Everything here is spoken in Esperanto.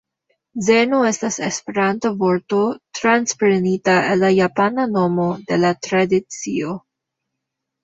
Zeno estas esperanta vorto transprenita el la japana nomo de la tradicio.